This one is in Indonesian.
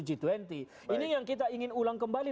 g dua puluh ini yang kita ingin ulang kembali